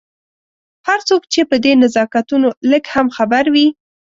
هر څوک چې په دې نزاکتونو لږ هم خبر وي.